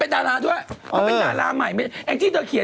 อุ๊ยแต่ดีนะฮะรับผิดชอบดี